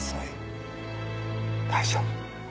大丈夫。